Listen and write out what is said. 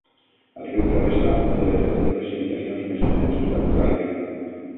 El riu travessa una de les zones de precipitacions més intenses d'Austràlia.